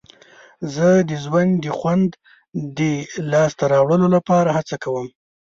زه د ژوند د خوند د لاسته راوړلو لپاره هڅه کوم.